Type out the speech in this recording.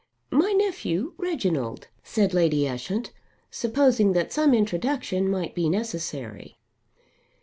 "My nephew, Reginald," said Lady Ushant, supposing that some introduction might be necessary.